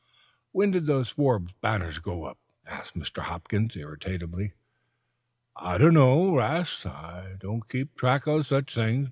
"When did those Forbes banners go up?" asked Mr. Hopkins, irritably. "I dunno, 'Rast. I don't keep track o' such things.